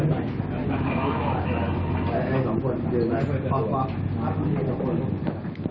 แม่จะเป็นผู้หญิงเล็ก